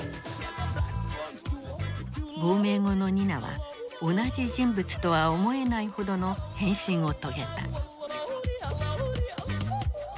亡命後のニナは同じ人物とは思えないほどの変身を遂げた。